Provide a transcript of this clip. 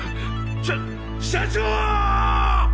しゃ社長！